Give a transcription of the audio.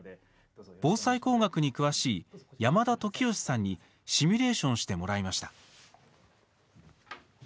防災工学に詳しい山田常圭さんにシミュレーションしてもらいました。